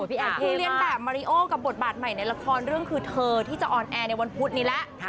แอนคือเรียนแบบมาริโอกับบทบาทใหม่ในละครเรื่องคือเธอที่จะออนแอร์ในวันพุธนี้แล้ว